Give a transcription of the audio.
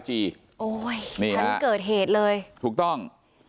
โอ้ยฉันเกิดเหตุเลยนี่ครับถูกต้อง